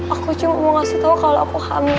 aku cuma mau ngasih tau kalau aku hamil